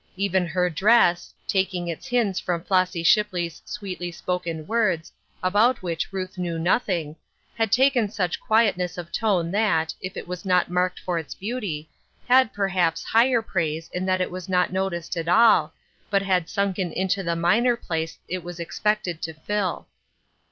Even her dress — taking its hints from Flossy Shipley's sweetly spoken words, about which Ruth knew nothing — had taken such quietness of tone that, if it was not marked f jr its beauty, had perhaps higher praise in that it was not noticed at all, but had sunken into the minor place it was ex pected to fill.